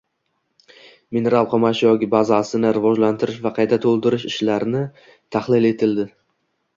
Mineral xomashyo bazasini rivojlantirish va qayta to‘ldirish ishlari tahlil etilding